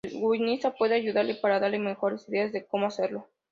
El guionista puede ayudarle para darle mejores ideas de como hacerlo.